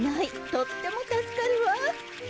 とっても助かるわ！